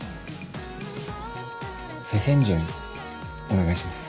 フェセンジュンお願いします。